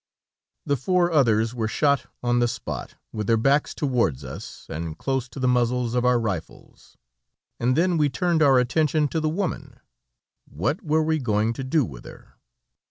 The four others were shot on the spot, with their backs towards us, and close to the muzzles of our rifles, and then we turned our attention to the woman; what were we going to do with her?